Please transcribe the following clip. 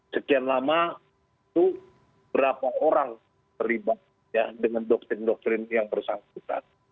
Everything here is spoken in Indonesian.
sekian lama itu berapa orang terlibat dengan doktrin doktrin yang bersangkutan